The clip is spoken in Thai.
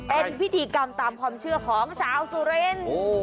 เป็นพิธีกรรมตามความเชื่อของชาวสุรินทร์